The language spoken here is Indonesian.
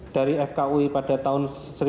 dari fkui pada tahun seribu sembilan ratus sembilan puluh